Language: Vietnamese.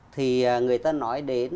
thì người ta nói đến